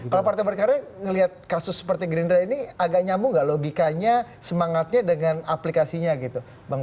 kalau partai berkarya melihat kasus partai greendraft ini agak nyambung nggak logikanya semangatnya dengan aplikasinya gitu